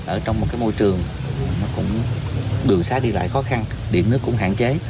ở trong một môi trường đường xá đi lại khó khăn điểm nước cũng hạn chế